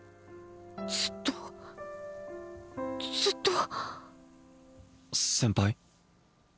ずっとずっと先輩？